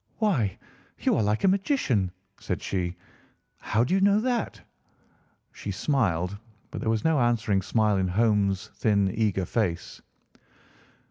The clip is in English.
"Why, you are like a magician," said she. "How do you know that?" She smiled, but there was no answering smile in Holmes' thin, eager face.